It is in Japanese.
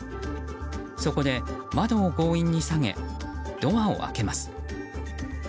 そこで窓を強引に下げドアを開けます。